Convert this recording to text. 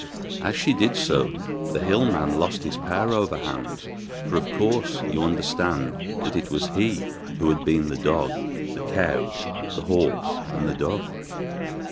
As she did so the hill man lost his power over Hans for of course you understand that it was he who had been the dog, the cow, the horse and the dove.